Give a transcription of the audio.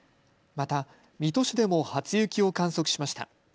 また水戸市でも初雪を観測しました。